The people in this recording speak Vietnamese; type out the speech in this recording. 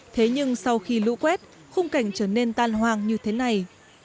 thế nhưng sau khi lũ quét khung cảnh trở nên tan hoang như thế này